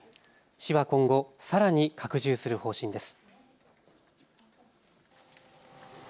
市は今後さらに拡充する方針です。